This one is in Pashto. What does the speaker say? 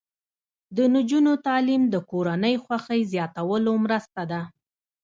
د نجونو تعلیم د کورنۍ خوښۍ زیاتولو مرسته ده.